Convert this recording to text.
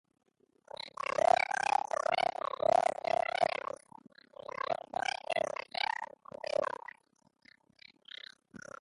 Larunbatean zeruan urdina izango da nagusi eta eguzkia jaun eta jabe izango dra.